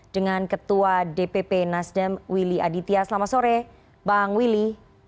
dengan ketua dpp nasdem willy aditya selamat sore bang willy